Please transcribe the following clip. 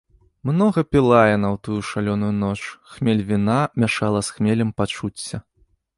Многа піла яна ў тую шалёную ноч, хмель віна мяшала з хмелем пачуцця.